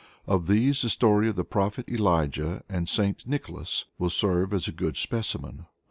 Of these, the story of "The Prophet Elijah and St. Nicholas," will serve as a good specimen.